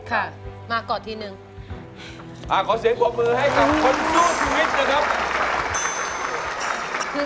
ข้ามไปเลยครับ